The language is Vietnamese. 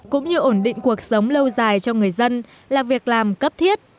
cũng như ổn định cuộc sống lâu dài cho người dân là việc làm cấp thiết